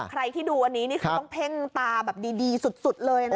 ใครที่ดูอันนี้ต้องเพ่งตาดีสุดเลยนะคะ